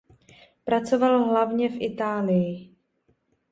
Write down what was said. Pracoval hlavně v Itálii.